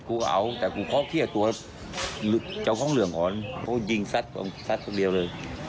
กูเอาแต่กูเขาเคลียร์ตัวเจ้าของเหลืองก่อนเขายิงสัตว์สัตว์ทั้งเดียวเลย